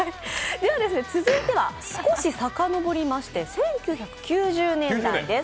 続いては少し遡りまして、１９９０年代です。